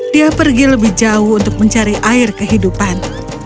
dia pergi lebih jauh untuk mencari air kehidupan